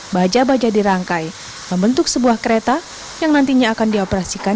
baja baja dirangkai membentuk sebuah kereta yang nantinya akan dioperasikan